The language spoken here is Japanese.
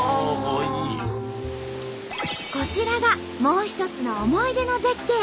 こちらがもう一つの思い出の絶景